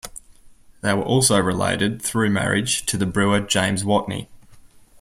They were also related, through marriage, to the brewer James Watney.